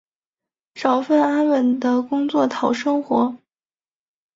找份安稳的工作讨生活